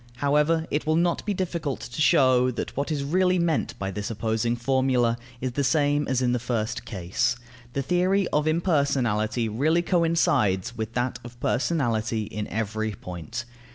However, it will not be difficult to show that what is really meant by this opposing formula is the same as in the first case. The theory of impersonality really coincides with that of personality in every point.